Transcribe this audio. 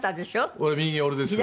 これ右が俺ですよ。